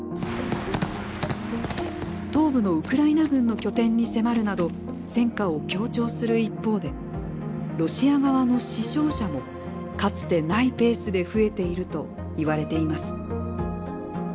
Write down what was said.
東部のウクライナ軍の拠点に迫るなど、戦果を強調する一方でロシア側の死傷者もかつてないペースで増えているといわれています。